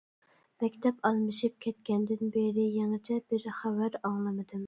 مەكتەپ ئالمىشىپ كەتكەندىن بېرى يېڭىچە بىرەر خەۋەر ئاڭلىمىدىم.